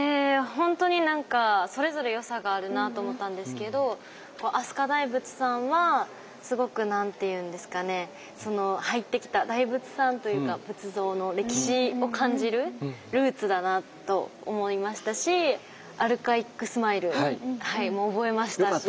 ほんとに何かそれぞれ良さがあるなと思ったんですけど飛鳥大仏さんはすごく何て言うんですかね入ってきた大仏さんというか仏像の歴史を感じるルーツだなと思いましたしアルカイックスマイルも覚えましたし。